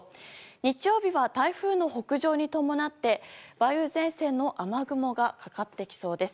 日曜日は台風の北上に伴って梅雨前線の雨雲がかかってきそうです。